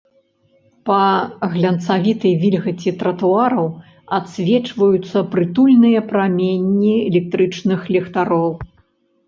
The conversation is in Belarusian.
Па глянцавітай вільгаці тратуараў адсвечваюцца прытульныя праменні электрычных ліхтароў.